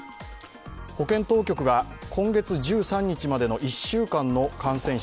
保健当局が今月１３日までの１週間の感染者